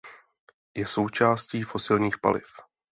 Je součástí fosilních paliv.